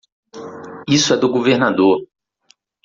Isso é do governador.